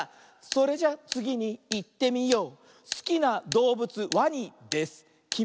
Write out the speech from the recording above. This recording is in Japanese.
「それじゃつぎにいってみよう」